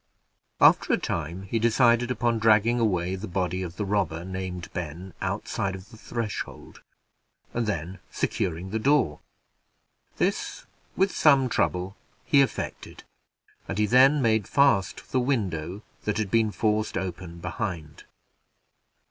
After a time, he decided upon dragging away the body of the robber named Ben outside of the threshold, and then securing the door. This, with some trouble, he effected, and he then made fast the window that had been forced open behind.